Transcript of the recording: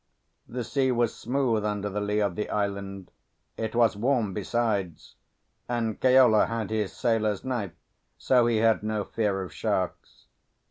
The sea was smooth under the lee of the island; it was warm besides, and Keola had his sailor's knife, so he had no fear of sharks.